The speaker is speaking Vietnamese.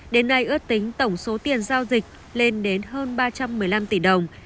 đến nay ước tính tổng số tiền giao dịch lên đến hơn ba trăm một mươi năm tỷ đồng